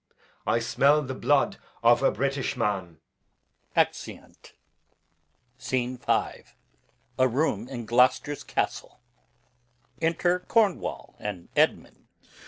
I smell the blood of a British man. Exeunt. Scene V. Gloucester's Castle. Enter Cornwall and Edmund.